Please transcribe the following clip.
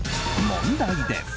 問題です！